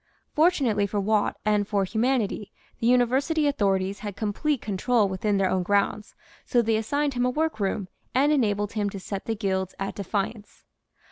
Fortunately for Watt and for humanity the University authorities had complete control within their own grounds, so they assigned him a workroom and enabled him to set the guilds at defiance.